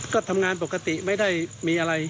ก็ทำงานปกติไม่ได้มีอะไร